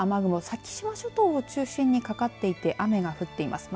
先島諸島を中心にかかっていて雨が降っています。